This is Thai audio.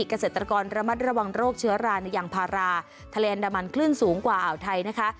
เกษตรกรระมัดระวังโรคเชื้อราในยางพาราทะเลอันดามันคลื่นสูงกว่าอ่าวไทยนะคะ